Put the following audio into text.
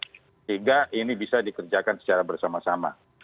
sehingga ini bisa dikerjakan secara bersama sama